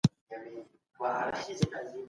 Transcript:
عیاشي یې نه خوښوله.